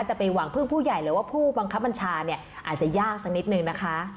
จะไปหวังพึ่งผู้ใหญ่หรือว่าผู้บังคับบัญชาเนี่ยอาจจะยากสักนิดนึงนะคะ